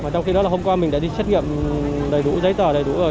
trong khi đó là hôm qua mình đã đi xét nghiệm đầy đủ giấy tỏa đầy đủ rồi